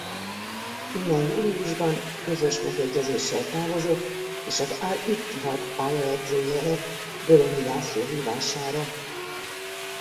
Innen júliusban közös megegyezéssel távozott és az Al-Ittihad pályaedzője lett Bölöni László hívására.